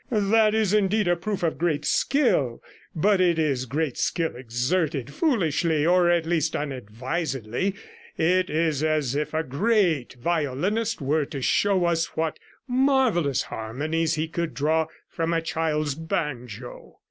'That is indeed a proof of great skill, but it is great skill exerted foolishly, or at least unadvisedly. It is as if a great violinist were to show us what marvellous harmonies he could draw from a child's banjo.'